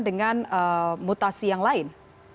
dengan mutasi yang lain